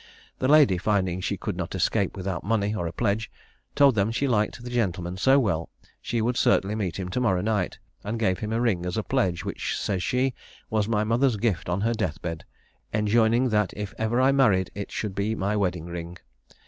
The lady, finding she could not escape without money or a pledge, told them she liked the gentleman so well, she would certainly meet him to morrow night, and gave them a ring as a pledge, which, says she, 'was my mother's gift on her death bed, enjoining that if ever I married it should be my wedding ring.'